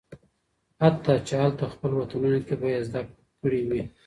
حتی چې هالته خپل وطنونو کې به یې زده کړې وي